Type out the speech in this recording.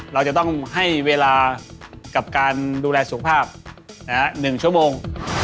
เราจะต้องให้เวลากับการดูแลสุขภาพ๑ชั่วโมง